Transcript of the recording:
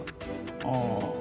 ああ。